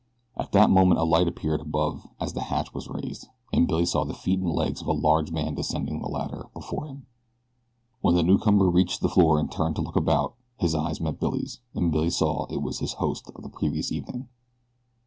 At that moment a light appeared above as the hatch was raised, and Billy saw the feet and legs of a large man descending the ladder from above. When the newcomer reached the floor and turned to look about his eyes met Billy's, and Billy saw that it was his host of the previous evening.